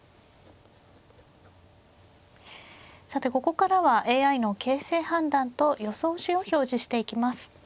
さてここからはＡＩの形勢判断と予想手を表示していきます。